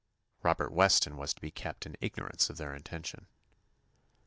Robert Weston was to be kept in ignorance of their intention.